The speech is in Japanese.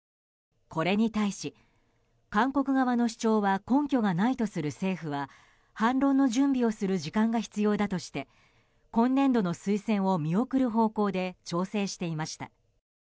これに対し、韓国側の主張は根拠がないとする政府は反論の準備をする時間が必要だとして今年度の推薦を見送る方向で調整していました。